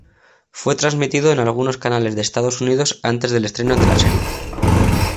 Fue transmitido en algunos canales de Estados Unidos antes del estreno de la serie.